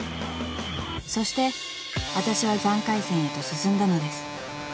［そしてわたしは３回戦へと進んだのです］